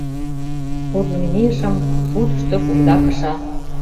Куржын мийышым — шудышто кумда кыша.